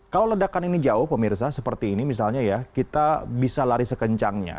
kalau ledakan ini jauh pemirsa seperti ini misalnya ya kita bisa lari sekencangnya